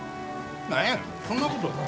何やねんそんなことか。